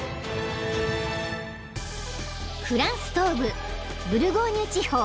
［フランス東部ブルゴーニュ地方ボーヌ］